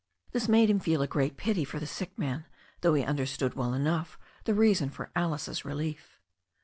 This made him feel a great pity for the sick man, though he understood well enough the reason for Alice's relief.